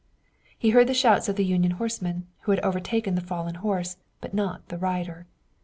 He heard the shouts of the Union horsemen who had overtaken the fallen horse, but not the rider.